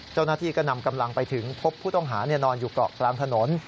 เจ้าหน้าที่ก็นำกำลังไปถึงพบผู้ต้องหานอนอยู่เกาะกลางถนน